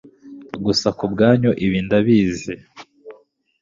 gusa kubwanyu, ibi ndabizi